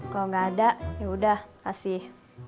kalau gak ada yaudah kasih